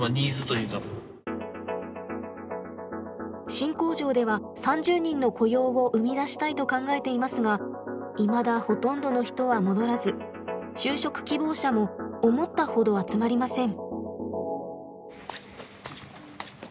新工場では３０人の雇用を生み出したいと考えていますがいまだほとんどの人は戻らず就職希望者も思ったほど集まりません。